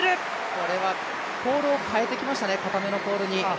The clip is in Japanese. これはポールを変えてきましたね、硬めのポールに。